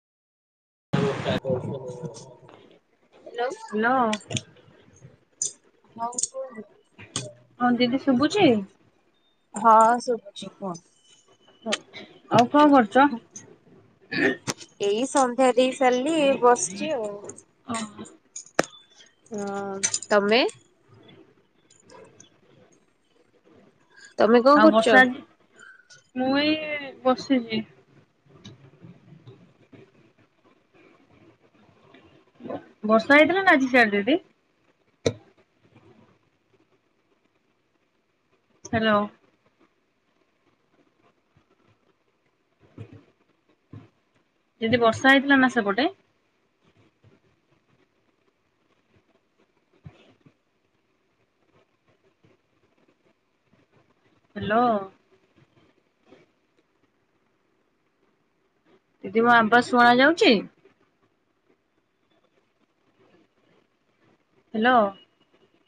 [unintelligible] Hello [unintelligible] ହଁ ଦିଦି ଶୁଭୁଛି? ହଁ ଶୁଭୁଛି କଣ? ଆଉ କଣ କରୁଛ? ଏଇ ସନ୍ଧ୍ୟା ଦେଇ ସାରିଲି ବସିଛି ଆଉ। ହଁ ତମେ? ତମେ କଣ ଆଉ କରୁଛ? ବର୍ଷା ଆଜି ମୁଁ ଏ ବସିଛି। ବର୍ଷା ହେଇଥିଲା ନା ଆଜି ସାର୍ ଦିଦି? ହ୍ୟାଲୋ [inaudible] ଦିଦି ବର୍ଷା ହେଇଥିଲା ନା ସେପଟେ? ହ୍ୟାଲୋ ଦିଦି ମୁଁ ଆମ୍ବା ଶୁଣା ଯାଉଛି। ହ୍ୟାଲୋ